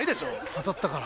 当たったから。